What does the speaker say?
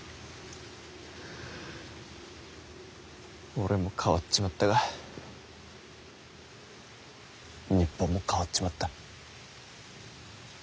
俺も変わっちまったが日本も変わっちまった。